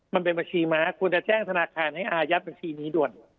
บัญชีม้าควรจะแจ้งธนาคารให้อายัดบัญชีนี้ด่วน